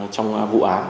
trong vụ án